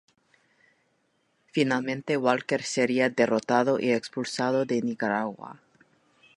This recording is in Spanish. Finalmente Walker sería derrotado y expulsado de Nicaragua.